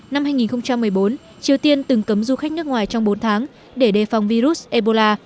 năm hai nghìn một mươi bốn triều tiên từng cấm du khách nước ngoài trong bốn tháng để đề phòng virus ebola